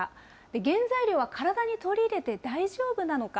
原材料は体に取り入れて大丈夫なのか。